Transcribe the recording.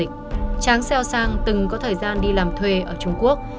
tráng xeo sang từng có thời gian đi làm thuê ở trung quốc